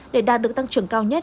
để đạt được tăng trưởng cao nhất